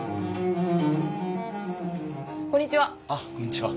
こんにちは。